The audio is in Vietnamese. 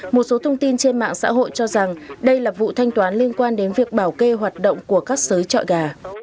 một số thông tin trên mạng xã hội cho rằng đây là vụ thanh toán liên quan đến việc bảo kê hoạt động của các sới chọi gà